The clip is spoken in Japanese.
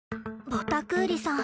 ボタクーリさん